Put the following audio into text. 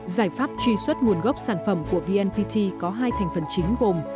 giải pháp truy xuất nguồn gốc sản phẩm của vnpt có hai thành phần chính gồm